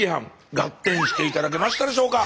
ガッテンして頂けましたでしょうか？